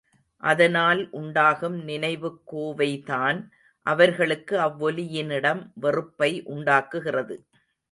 அதனால் உண்டாகும் நினைவுக் கோவைதான் அவர்களுக்கு அவ்வொலியினிடம் வெறுப்பை உண்டாக்குகிறது.